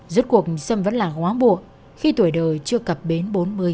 rốt cuộc sâm vẫn là ngóng bụi khi tuổi đời chưa cập bến bốn mươi